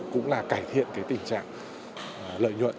cũng là cải thiện tình trạng lợi nhuận